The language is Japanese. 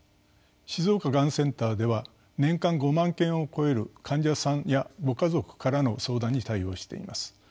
静岡がんセンターでは年間５万件を超える患者さんやご家族からの相談に対応しています。